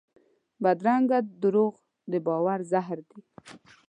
بدرنګه دروغ د باور زهر دي